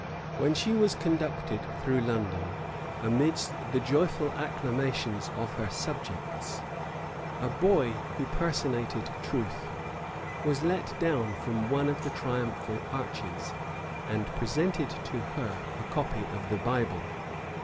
When she was conducted through London, amidst the joyful acclamations of her subjects, a boy, who personated truth, was let down from one of the triumphal arches, and presented to her a copy of the Bible.